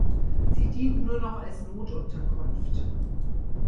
Sie dient nur noch als Notunterkunft.